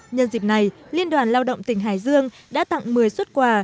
nhân dịp này liên đoàn lao động tỉnh hải dương đã tặng một mươi xuất quà